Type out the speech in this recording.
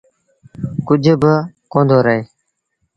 ڪجھ با ڪوندو رهي۔